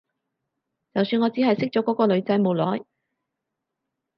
就算我只係識咗嗰個女仔冇耐